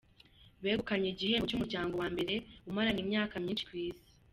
Begukanye igihembo cy’umuryango wa mbere umaranye imyaka myinshi ku isi